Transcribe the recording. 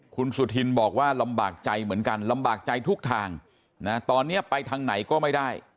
คุณสุธินบอกว่าลำบากใจเหมือนกันลำบากใจทุกทางนะตอนนี้ไปทางไหนก็ไม่ได้